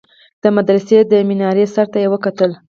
د مدرسې د مينارې سر ته يې وكتل.